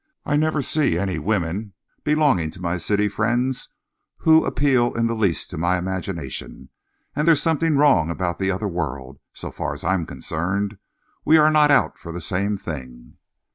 I never see any women belonging to my city friends who appeal in the least to my imagination, and there's something wrong about the other world, so far as I am concerned. We are not out for the same thing."